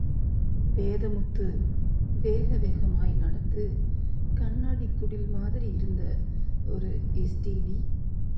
வேதமுத்து, வேகவேகமாய் நடந்து, கண்ணாடிக் குடில் மாதிரி இருந்த ஒரு எஸ்.டி.டி.